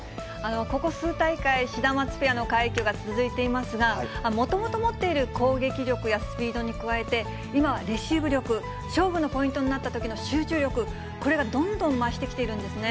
ここ数大会、シダマツペアの快挙が続いていますが、もともと持っている攻撃力やスピードに加えて、今はレシーブ力、勝負のポイントになったときの集中力、これがどんどん増してきているんですね。